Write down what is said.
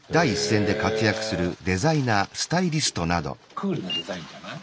クールなデザインじゃない？